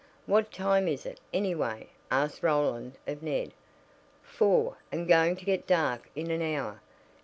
"What time is it, anyway?" asked Roland of Ned. "Four, and going to get dark in an hour.